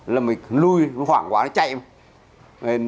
là mình lùi nó hoảng quá nó chạy mà